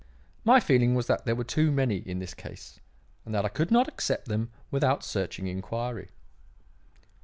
My feeling was that there were too many in this case and that I could not accept them without searching inquiry."